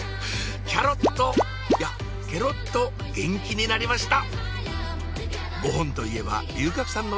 キャロっといやケロっと元気になりました！